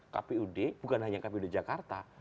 kpud bukan hanya kpud jakarta